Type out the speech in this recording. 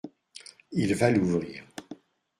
Il va l’ouvrir.